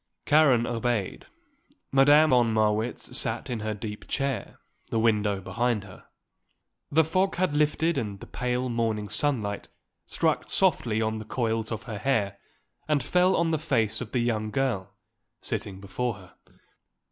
Karen obeyed. Madame von Marwitz sat in her deep chair, the window behind her. The fog had lifted and the pale morning sunlight struck softly on the coils of her hair and fell on the face of the young girl sitting before her.